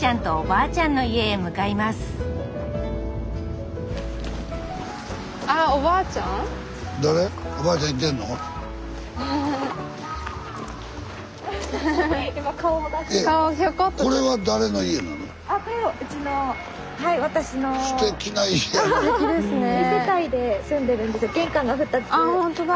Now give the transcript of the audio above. あほんとだ。